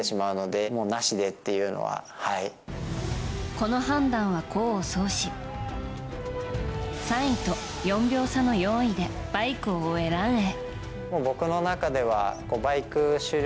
この判断は功を奏し３位と４秒差の４位でバイクを終え、ランへ。